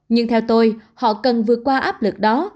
nhưng theo tôi họ cần vượt qua áp lực đó